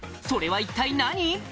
それは一体何？